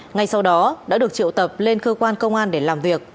ngay sau đó đã được triệu tập lên cơ quan công an để làm việc